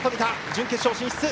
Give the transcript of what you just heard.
準決勝進出！